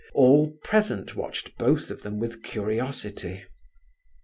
All present watched both of them with curiosity.